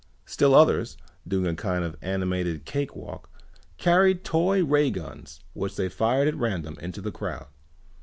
Still others, doing a kind of animated cakewalk, carried toy ray guns which they fired at random into the crowd.